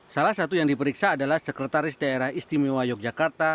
salah satu yang diperiksa adalah sekretaris daerah istimewa yogyakarta